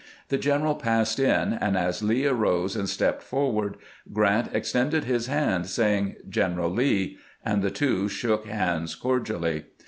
The general passed in, and as Lee arose and stepped forward, G rant extended his hand, saying, "Gen eral Lee," and the two shook hands cordially.